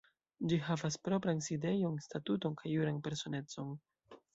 Ĝi havas propran sidejon, statuton kaj juran personecon.